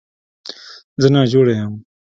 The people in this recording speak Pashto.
زه ناجوړه یم Self Citation